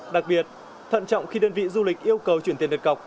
đặc biệt thận trọng khi đơn vị du lịch yêu cầu chuyển tiền đặt cọc